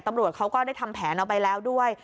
ตำรวจเขาก็ได้ทำแผนเอาไปแล้วด้วย